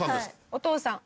お父さん。